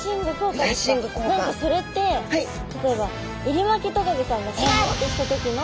何かそれって例えばエリマキトカゲちゃんがシャー！ってした時の。